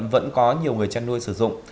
vẫn có nhiều người chăn nuôi sử dụng